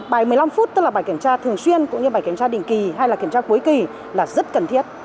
bài một mươi năm phút tức là bài kiểm tra thường xuyên cũng như bài kiểm tra định kỳ hay là kiểm tra cuối kỳ là rất cần thiết